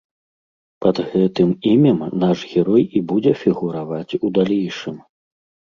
Пад гэтым імем наш герой і будзе фігураваць у далейшым.